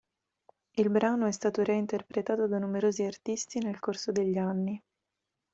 Il brano è stato reinterpretato da numerosi artisti nel corso degli anni.